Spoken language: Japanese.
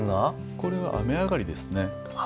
これは雨上がりですね。